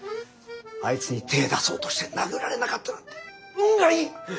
あいつに手ぇ出そうとして殴られなかったなんて運がいい！